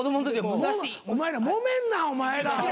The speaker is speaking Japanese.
お前らもめんなお前ら。